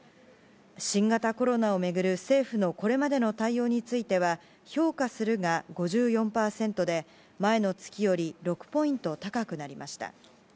新型コロナを巡る政府のこれまでの対応については評価するが５４％で、前の月より６ポイント高くなりました。